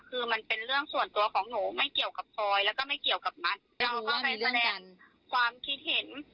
คือมันเป็นเรื่องส่วนตัวของหนูไม่เกี่ยวกับพลอยแล้วก็ไม่เกี่ยวกับมัดเราก็เลยแสดงความคิดเห็น